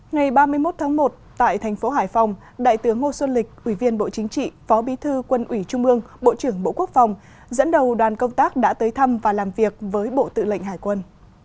ngày ba mươi một tháng một tại thành phố hải phòng đại tướng ngô xuân lịch ủy viên bộ chính trị phó bí thư quân ủy trung ương bộ trưởng bộ quốc phòng dẫn đầu đoàn công tác đã tới thăm và làm việc với bộ tự lệnh hải quân